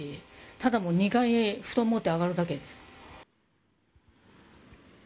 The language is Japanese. ただもう２階へ、布団持って上がるだけ。